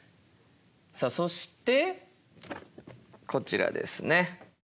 さあそしてこちらですね。